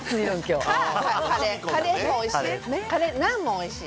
カレーもおいしい。